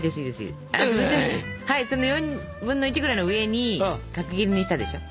その４分の１ぐらいの上に角切りにしたでしょ。